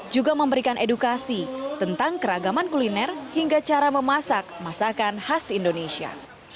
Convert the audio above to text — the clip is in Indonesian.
juga memberikan edukasi tentang keragaman kuliner hingga cara memasak masakan khas indonesia